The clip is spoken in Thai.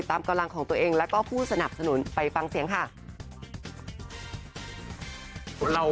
กำลังของตัวเองแล้วก็ผู้สนับสนุนไปฟังเสียงค่ะ